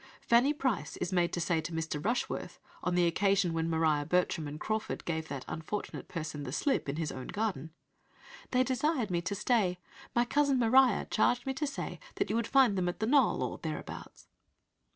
Fanny Price is made to say to Mr. Rushworth, on the occasion when Maria Bertram and Crawford gave that unfortunate person the slip in his own garden, "They desired me to stay; my cousin Maria charged me to say that you would find them at that knoll, or thereabouts."